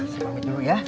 saya pamit dulu ya